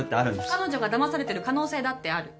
彼女がだまされてる可能性だってある。